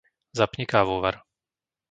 Zapni kávovar.